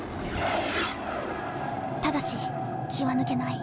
ただし気は抜けない。